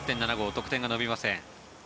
得点が伸びません。